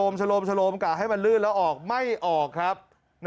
โลมกะให้มันลื่นแล้วออกไม่ออกครับ